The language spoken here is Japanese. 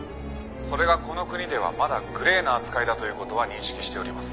「それがこの国ではまだグレーな扱いだという事は認識しております」